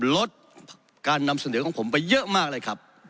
ลดการนำเสนอของผมไปเยอะมากเลยครับ